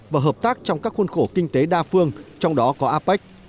và hợp tác trong các khuôn khổ kinh tế đa phương trong đó có apec